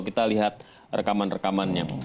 kita lihat rekaman rekamannya